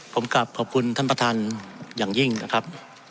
ผมกลับขอบคุณท่านประธานอย่างยิ่งนะครับ